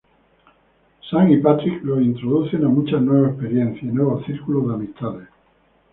Sam y Patrick lo introducen a muchas nuevas experiencias y nuevos círculos de amistades.